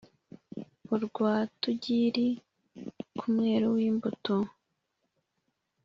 urwa Tigiri ku mwero w’imbuto;